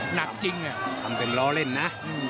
หนักจริงทำเป็นล้อเล่นนะ